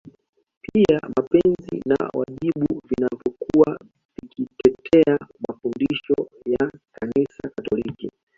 Pia mapenzi na wajibu vilivyokuwa vikitetea mafundisho ya Kanisa Katoliki